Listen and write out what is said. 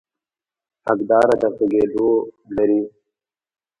حقداره د غږېدو لري.